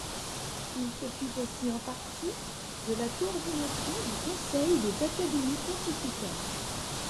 Il s'occupe aussi en partie de la coordination du Conseil des académies pontificales.